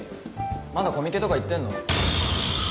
まだコミケとか行ってんの？